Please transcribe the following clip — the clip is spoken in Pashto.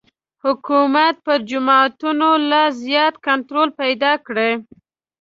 حکومت پر جوماتونو لا زیات کنټرول پیدا کړي.